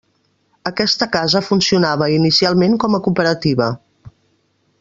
Aquesta casa funcionava inicialment com a cooperativa.